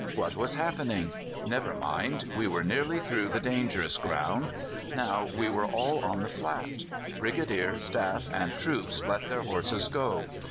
What was happening? Never mind, we were nearly through the dangerous ground. Now we were all on the flat. Brigadier, staff, and troops let their horses go.